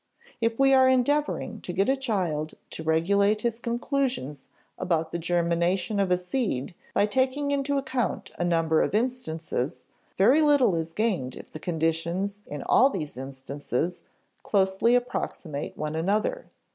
If we are endeavoring to get a child to regulate his conclusions about the germination of a seed by taking into account a number of instances, very little is gained if the conditions in all these instances closely approximate one another.